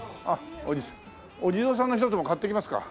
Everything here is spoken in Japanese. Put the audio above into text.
お地蔵さんの一つでも買っていきますか。